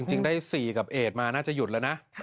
จริงได้๔กับเอกมาน่าจะหยุดแล้วนะ